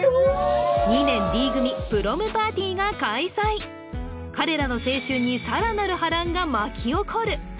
２年Ｄ組プロムパーティーが開催彼らの青春にさらなる波乱が巻き起こる